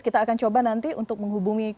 kita akan coba nanti untuk menghubungi